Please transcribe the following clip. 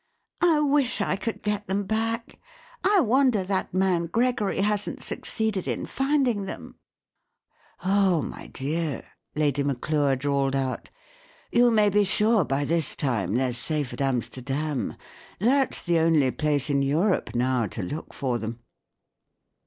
" I wish I could get them back ! I wonder that man Gregory hasn't succeeded in finding them." "Oh! my dear," Lady Maclure drawled out, " you may be sure by this time they're safe at Amsterdam. That's the only place in Europe now to look for them."